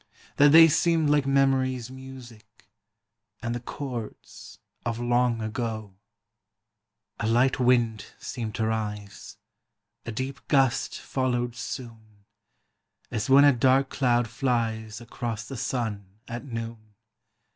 Thai they seemed like memory's music, And the chords of long ago. IMMORTALITY. 125 A light wind seemed to rise ; A deep gust followed soon, As when a dark cloud flies Across the sun, at noon.